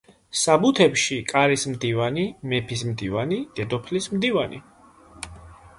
საბუთებში „კარის მდივანი“, „მეფის მდივანი“, „დედოფლის მდივანი“.